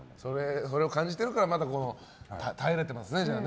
それを感じてるからまだ耐えれてますよね、じゃあ。